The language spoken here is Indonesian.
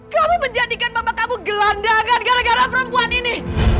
kamu menjadikan mama kamu gelandangan gara gara perempuan ini